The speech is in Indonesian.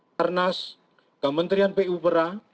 ternas kementerian pupera